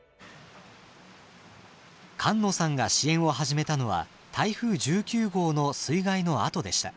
菅野さんが支援を始めたのは台風１９号の水害のあとでした。